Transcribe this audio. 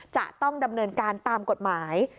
จะต้องดำเนินการตามกฎหมาย